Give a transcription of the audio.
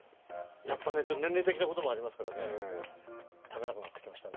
やっぱ年齢的なこともありますからね、食べなくなってきましたね。